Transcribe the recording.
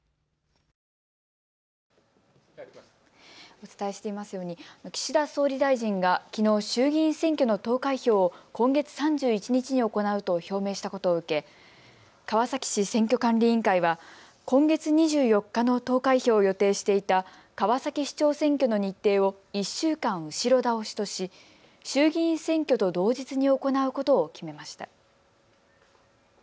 お伝えしていますように岸田総理大臣が、きのう衆議院選挙の投開票を今月３１日に行うと表明したことを受け川崎市選挙管理委員会は今月２４日の投開票を予定していた川崎市長選挙の日程を１週間後ろ倒しとし衆議院選挙と同日に行うことを決めました。